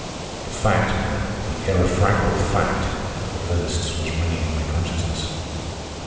"The fact, man, the irrefragable fact!" of Ernest's was ringing in my consciousness.